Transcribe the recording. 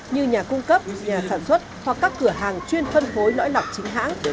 như nhà cung cấp nhà sản xuất hoặc các cửa hàng chuyên phân phối lõi lọc chính hãng